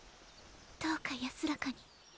どうか安らかに。